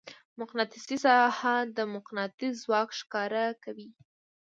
مقناطیسي ساحه د مقناطیس ځواک ښکاره کوي.